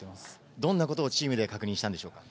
どんなことをチームで確認したのでしょうか？